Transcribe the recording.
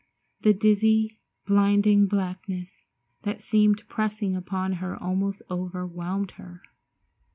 The dizzy, blinding blackness that seemed pressing upon her almost overwhelmed her.